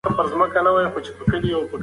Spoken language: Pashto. انا خپل لمونځ د سهار په وخت پیل کړ.